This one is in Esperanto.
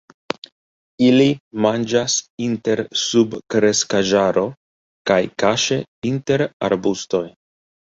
Ili manĝas inter subkreskaĵaro kaj kaŝe inter arbustoj.